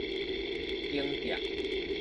頂店